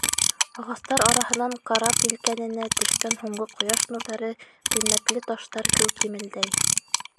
Ағастар араһынан карап елкәненә төшкән һуңғы ҡояш нурҙары ҡиммәтле таштар кеүек емелдәй.